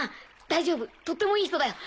大丈夫とってもいい人だよ。